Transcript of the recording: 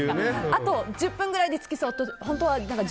あと１０分ぐらいで着きそうって。